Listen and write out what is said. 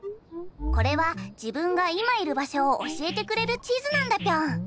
これはじぶんがいまいるばしょをおしえてくれるちずなんだピョン。